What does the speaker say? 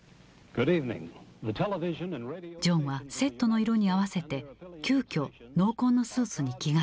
ジョンはセットの色に合わせて急遽濃紺のスーツに着替えた。